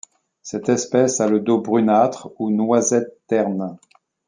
Cette espèce a le dos brunâtre ou noisette terne.